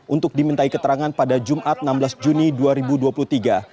untuk dimintai keterangan pada jumat enam belas juni